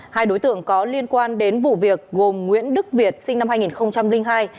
hai đối tượng có liên quan đến vụ việc gồm nguyễn đức việt sinh năm hai nghìn hai